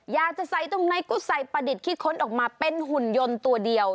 อยากจะใส่ตรงไหนก็ใส่ประดิษฐ์ที่ค้นออกมาเป็นหุ่นยนต์ตัวเดียว